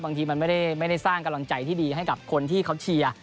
บางทีมันไม่ได้สร้างกำลังใจที่ดีให้กับคนที่เขาเชียร์